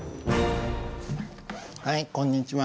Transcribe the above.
はいこんにちは。